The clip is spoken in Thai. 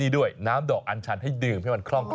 หน้าเพลงน้ำดอกอัลชันให้ดื่มให้องคล่องคลอ